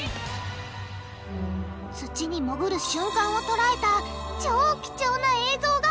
土にもぐる瞬間を捉えた超貴重な映像がこちら！